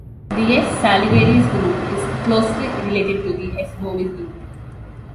The S. salivarius group is closely related to the S. bovis group.